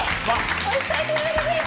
お久しぶりです。